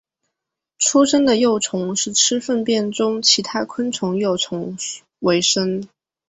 出生的幼虫是吃粪便中其他昆虫幼虫为生。